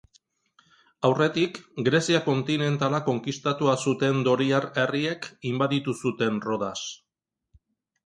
Aurretik Grezia kontinentala konkistatua zuten doriar herriek inbaditu zuten Rodas.